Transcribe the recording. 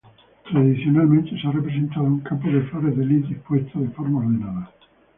Tradicionalmente, se ha representado un campo de flores de lis, dispuestas de forma ordenada.